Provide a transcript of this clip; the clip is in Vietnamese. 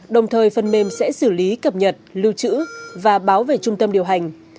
đồng thời phần mềm sẽ xử lý cập nhật lưu trữ và báo về trung tâm điều hành